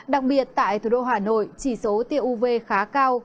đặc biệt tại thủ đô hà nội chỉ số tiêu uv khá cao